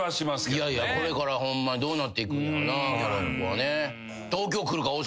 いやいやこれからホンマどうなっていくんやろなギャロップはね。